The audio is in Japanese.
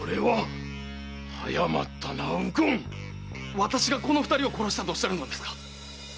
私がこの二人を殺したとおっしゃるのですか